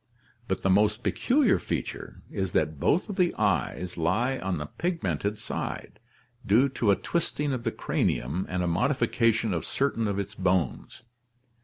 But the most peculiar feature is that both of the eyes lie on the pigmented side, due to a twisting of the cranium and a modification of certain of its bones.